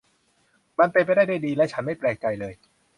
มันเป็นไปได้ด้วยดี และฉันไม่แปลกใจเลย